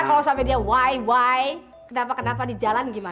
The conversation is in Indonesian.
pelan pelan pelan pelan mbak